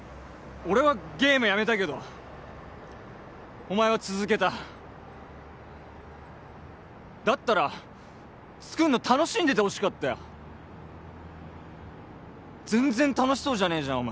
俺はゲームやめたけどお前は続けただったら作るの楽しんでてほしかったよ全然楽しそうじゃねえじゃん